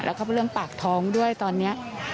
แล้วก็เป็นเรื่องปากท้องด้วยตอนนี้